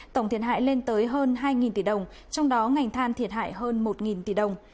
tổng thiệt hại lên tới hơn hai tỷ đồng trong đó ngành than thiệt hại hơn một tỷ đồng